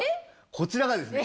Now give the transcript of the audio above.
こちらがですね